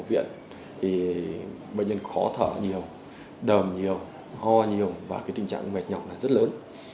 thì bệnh nhân khó thở nhiều đờm nhiều ho nhiều và tình trạng mệt nhọc rất lớn